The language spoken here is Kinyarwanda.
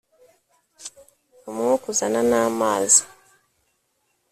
umwuka uzana na mazi